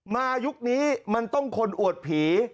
ยุคนี้มันต้องคนอวดผี